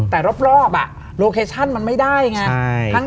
แต่รอบโลเคชั่นมันไม่ได้ไง